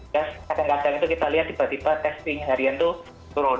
terus kadang kadang itu kita lihat tiba tiba testing harian itu turun